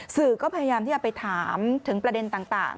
สื่อก็พยายามที่จะไปถามถึงประเด็นต่าง